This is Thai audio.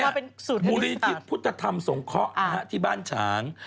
เอามาเป็นสูตรฮนิษฐามูลนิธิพุทธธรรมสงเคราะห์ที่บ้านฉาง